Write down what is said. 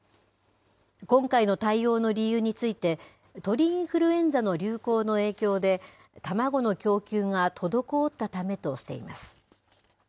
今回の対応の理由について、鳥インフルエンザの流行の影響で、卵の供給が滞ったためとしています。